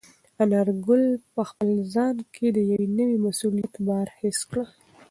انارګل په خپل ځان کې د یو نوي مسولیت بار حس کړ.